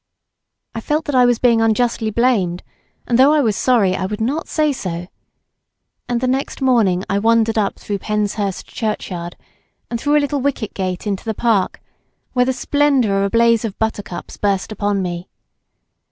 I felt that I was being unjustly blamed, and though I was sorry I would not say so, and the next morning I wandered up through Penshurst churchyard, and through a little wicket gate into the park, where the splendour of a blaze of buttercups, burst upon me.